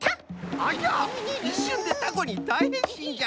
ありゃいっしゅんでタコにだいへんしんじゃ！